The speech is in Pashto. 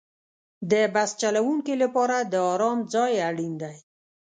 د بس چلوونکي لپاره د آرام ځای اړین دی.